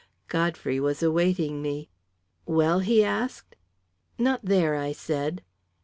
Godfrey was awaiting me. "Well?" he asked. "Not there," I said.